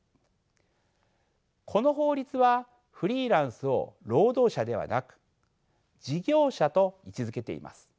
この法律はフリーランスを労働者ではなく事業者と位置づけています。